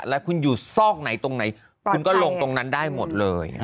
แล้วคุณอยู่ซอกไหนตรงไหนคุณก็ลงตรงนั้นได้หมดเลย